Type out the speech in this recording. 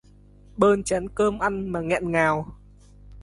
Bơn chén cơm ăn mà nghẹn ngào